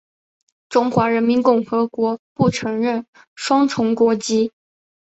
中华人民共和国不承认双重国籍。